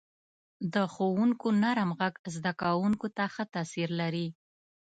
• د ښوونکو نرم ږغ زده کوونکو ته ښه تاثیر لري.